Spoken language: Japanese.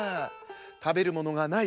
たべるものがない